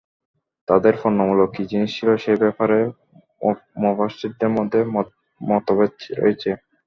তাদের পণ্যমূল্য কি জিনিস ছিল সে ব্যাপারে মুফাসসিরদের মধ্যে মতভেদ রয়েছে।